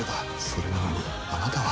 それなのに、あなたは。